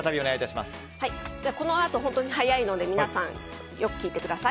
このあと、本当に早いので皆さんよく聞いてください。